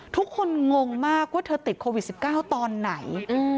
งงมากว่าเธอติดโควิด๑๙ตอนไหน